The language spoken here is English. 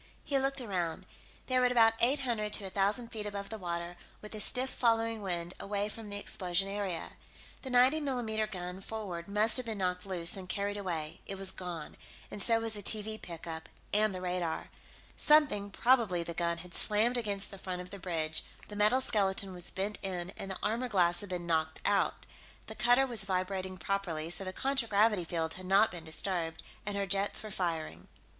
He looked around. They were at about eight hundred to a thousand feet above the water, with a stiff following wind away from the explosion area. The 90 mm gun, forward, must have been knocked loose and carried away; it was gone, and so was the TV pickup and the radar. Something, probably the gun, had slammed against the front of the bridge the metal skeleton was bent in, and the armor glass had been knocked out. The cutter was vibrating properly, so the contragravity field had not been disturbed, and her jets were firing.